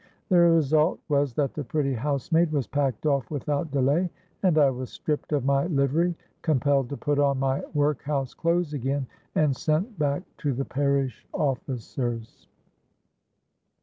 The result was that the pretty housemaid was packed off without delay; and I was stripped of my livery, compelled to put on my workhouse clothes again, and sent back to the parish officers.